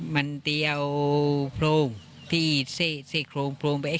มันเต้าโปร่งที่อีทเซศกรงโปร่งไป